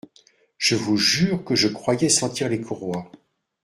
Je vous jure que je croyais sentir les courroies.